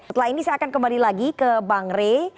setelah ini saya akan kembali lagi ke bang rey